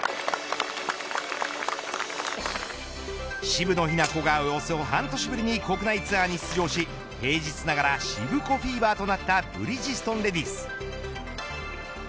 渋野日向子がおよそ半年ぶりに国内ツアーに出場し平日ながらシブコフィーバーとなったブリヂストンレディス。